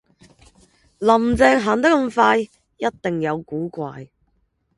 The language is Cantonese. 林鄭行得快,一定有古怪